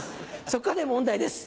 そこで問題です。